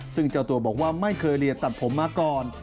ซึ่งเจ้าตัวบอกว่าไม่เคยเรียนตัดผมมาก่อน